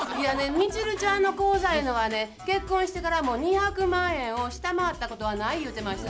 ミチルちゃんの口座ゆうのはね結婚してからも２００万円を下回ったことはない言うてました。